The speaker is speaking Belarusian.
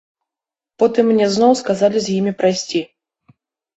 Потым мне зноў сказалі з імі прайсці.